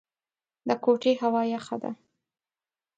د کوټې هوا يخه ده.